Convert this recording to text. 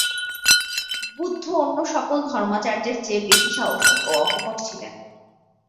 বুদ্ধ অন্য সকল ধর্মাচার্যের চেয়ে বেশী সাহসী ও অকপট ছিলেন।